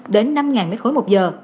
đến năm m ba một giờ